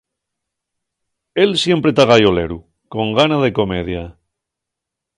Él siempre ta gayoleru, con gana de comedia.